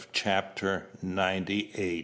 CHAPTER NINETY NINE.